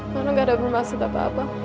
mano gak ada permaksud apa apa